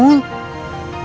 kekasihannya kang mul